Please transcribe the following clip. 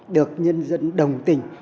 được nhân dân đồng tình